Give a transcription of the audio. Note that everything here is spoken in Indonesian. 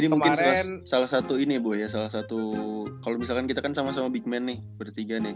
ini mungkin salah satu ini ya bu ya salah satu kalau misalkan kita kan sama sama big man nih bertiga nih